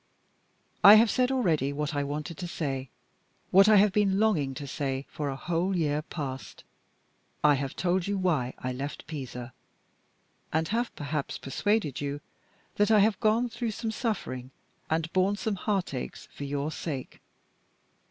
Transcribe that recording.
"I have said already what I wanted to say what I have been longing to say for a whole year past. I have told you why I left Pisa; and have, perhaps, persuaded you that I have gone through some suffering, and borne some heart aches for your sake.